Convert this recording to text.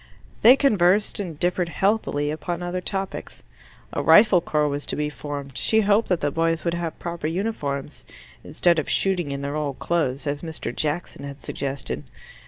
They conversed and differed healthily upon other topics. A rifle corps was to be formed: she hoped that the boys would have proper uniforms, instead of shooting in their old clothes, as Mr. Jackson had suggested.